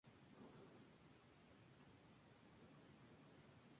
Alcanzó el grado de general.